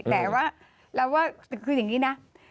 แต่ว่าเราว่าคืออย่างนี้นะ